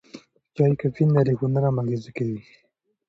چای کافین لري خو نرم اغېز کوي.